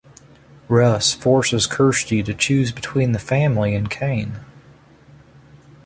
Rhys forces Kirsty to choose between the family and Kane.